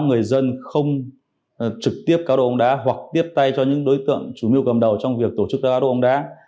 các người dân không trực tiếp cáo đồ bóng đá hoặc tiếp tay cho những đối tượng chủ mưu cầm đầu trong việc tổ chức cáo đồ bóng đá